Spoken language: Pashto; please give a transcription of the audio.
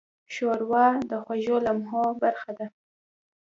ښوروا د خوږو لمحو برخه ده.